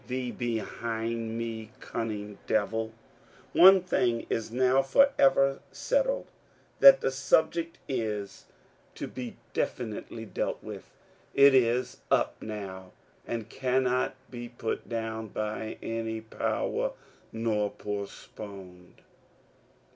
Get thee behind me, cunning Devil !... One thing is now forever settled, that the subject is to be definitely dealt with. It is up now, and cannot be put down by any power, nor postponed.